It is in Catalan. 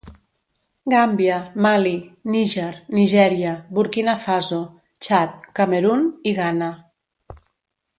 Gàmbia, Mali, Níger, Nigèria, Burkina Faso, Txad, Camerun i Ghana.